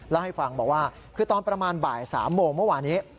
บอกว่าคือตอนประมาณบ่าย๓โมงเมื่อวานี้